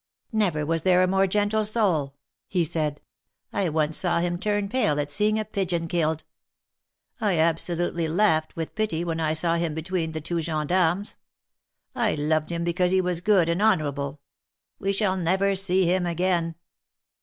"Never was there a more gentle soul," he said. "I once saw him turn pale at seeing a pigeon killed. I abso lutely laughed with pity when I saw him between the two gendarmes. I loved him because he was good and honor able. We shall never see him again!"